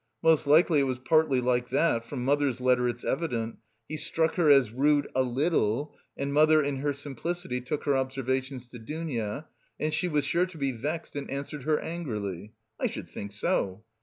Most likely it was partly like that, from mother's letter it's evident: he struck her as rude a little, and mother in her simplicity took her observations to Dounia. And she was sure to be vexed and 'answered her angrily.' I should think so!